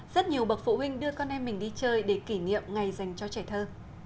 rất nhiều bậc phụ huynh đưa con em mình đi chơi để kỷ niệm ngày dành cho trẻ thơ